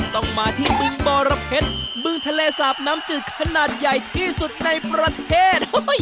ต้องมาที่บึงบรเพชรบึงทะเลสาบน้ำจืดขนาดใหญ่ที่สุดในประเทศ